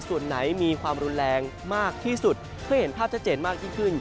ส่วนไหนมีความรุนแรงมากที่สุดเพื่อเห็นภาพชัดเจนมากยิ่งขึ้น